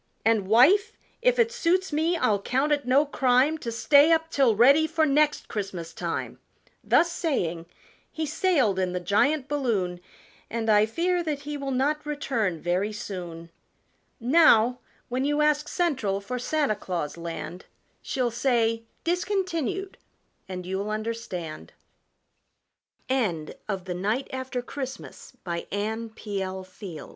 And, wife, if it suits me I'll count it no crime To stay up till ready for next Christmas time!" Thus saying he sailed in the giant balloon, And I fear that he will not return very soon. Now, when you ask "Central" for Santa Claus land She'll say, "discontinued" and you'll understand. WHEN THE STARS OF MORNING SANG ANNE P.L. FIELD When the stars of morning sang Lo